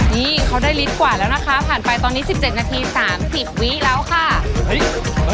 นี่เขาได้ลิตรกว่าแล้วนะคะผ่านไปตอนนี้๑๗นาที๓๐วิแล้วค่ะเฮ้ย